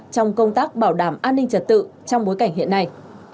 trong công tác bảo đảm an ninh trật tự trong bối cảnh hiện nay